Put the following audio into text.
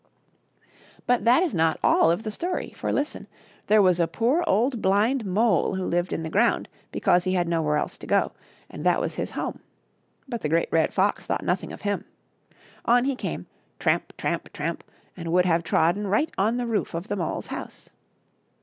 But that is not all of the story ; for listen : There was a poor old blind mole who lived in the ground because he had nowhere else to go, and that was his home. But the Great Red Fox thought nothing of him. On he came — tramp ! tramp ! tramp !— and would have trodden right on the roof of the mole's house.